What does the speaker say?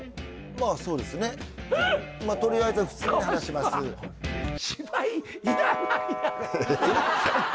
まあそうですねまあとりあえずは普通に話します川島えっ？